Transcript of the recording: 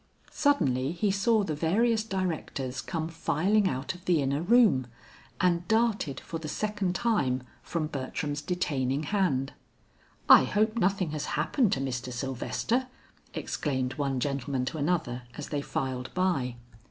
Suddenly he saw the various directors come filing out of the inner room, and darted for the second time from Bertram's detaining hand. "I hope nothing has happened to Mr. Sylvester," exclaimed one gentleman to another as they filed by.